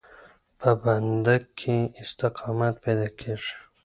په بنده کې استقامت پیدا کېږي.